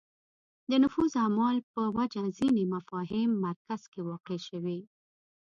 د نفوذ اعمال په وجه ځینې مفاهیم مرکز کې واقع شوې